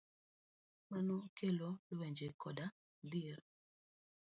Mano kelo lwenje koda dhier